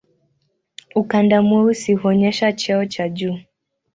Ukanda mweusi huonyesha cheo cha juu.